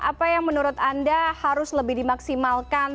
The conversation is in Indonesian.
apa yang menurut anda harus lebih dimaksimalkan